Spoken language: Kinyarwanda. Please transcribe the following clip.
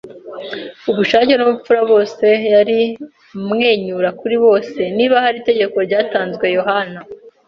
ubushake n'ubupfura; bose yari amwenyura kuri bose. Niba hari itegeko ryatanzwe, Yohana